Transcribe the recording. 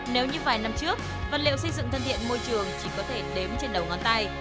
nếu như vài năm trước vật liệu xây dựng thân thiện môi trường chỉ có thể đếm trên đầu ngón tay